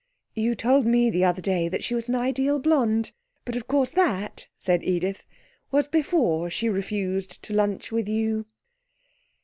'You told me the other day that she was an ideal blonde. But, of course, that,' said Edith, 'was before she refused to lunch with you!'